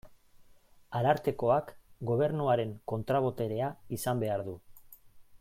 Arartekoak Gobernuaren kontra-boterea izan behar du.